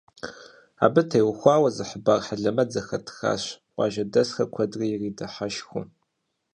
Абы теухуауэ зы хъыбар хьэлэмэт зэхэтхащ, къуажэдэсхэр куэдрэ иридыхьэшхыу.